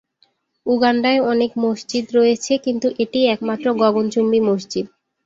উগান্ডায় অনেক মসজিদ রয়েছে কিন্তু এটিই একমাত্র গগনচুম্বী মসজিদ।